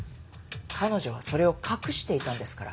彼女はそれを隠していたんですから。